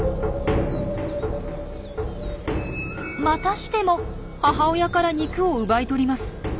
またしても母親から肉を奪い取ります。